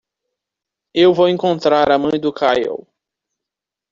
Eu vou encontrar a mãe do Kyle.